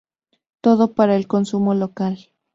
Todo para el consumo local.